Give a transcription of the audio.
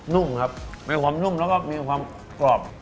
นุ่มครับมีความนุ่มแล้วก็มีความกรอบ